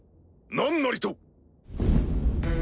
何なりと！